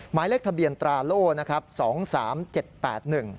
หมายเลขทะเบียนตราโล่นะครับสองสามเจ็ดแปดหนึ่ง